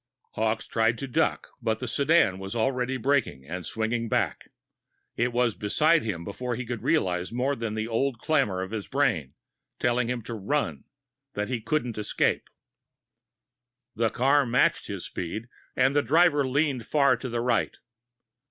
Hawkes tried to duck, but the sedan was already braking and swinging back. It was beside him before he could realize more than the old clamor of his brain, telling him to run, that he couldn't escape. The car matched his speed, and the driver leaned far to the right.